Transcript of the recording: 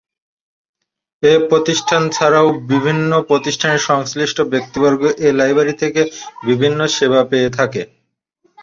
এ প্রতিষ্ঠান ছাড়াও বিভিন্ন প্রতিষ্ঠানের সংশ্লিষ্ট ব্যক্তিবর্গ এ লাইব্রেরি থেকে বিভিন্ন সেবা পেয়ে থাকে।